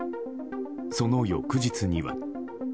その翌日には。